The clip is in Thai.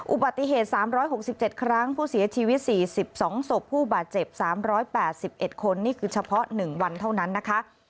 อุบัติเหตุ๓๖๗ครั้งผู้เสียชีวิต๔๒ศพผู้บาดเจ็บ๓๘๑คนนี่คือเฉพาะ๑วันเท่านั้นนะคะ